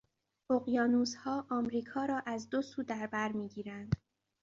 اقیانوسها امریکا را از دو سو در برمیگیرند.